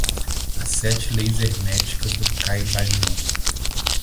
As sete leis herméticas do caibalion